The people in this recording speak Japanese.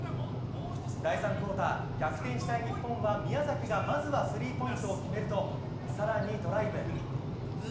第３クオーター逆転したい日本は宮崎がまずはスリーポイントを決めると更にドライブ。